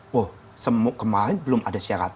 wah kemarin belum ada syarat